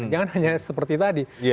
jangan hanya seperti tadi